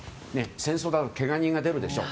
戦争だとけが人が出るでしょ。